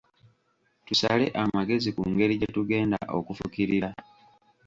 Tusale amagezi ku ngeri gyetugenda okufukirira.